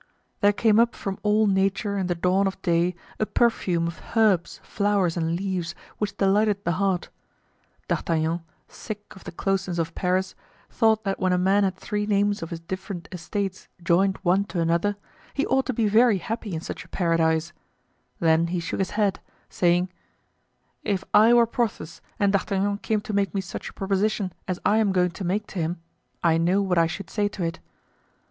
There came up from all nature in the dawn of day a perfume of herbs, flowers and leaves, which delighted the heart. D'Artagnan, sick of the closeness of Paris, thought that when a man had three names of his different estates joined one to another, he ought to be very happy in such a paradise; then he shook his head, saying, "If I were Porthos and D'Artagnan came to make me such a proposition as I am going to make to him, I know what I should say to it."